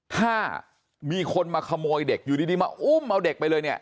ถ้ามีคนมาขโมยเด็กอยู่ดีมาอุ้มเอาเด็กไปเลยเนี่ย